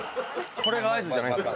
これが合図じゃないんですか？